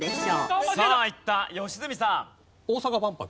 さあいった良純さん。